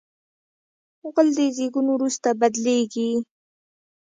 غول د زیږون وروسته بدلېږي.